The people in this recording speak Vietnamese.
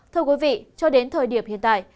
thưa quý vị cho đến thời điểm hiện tại